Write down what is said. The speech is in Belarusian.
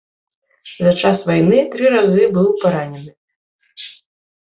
За час вайны тры разы быў паранены.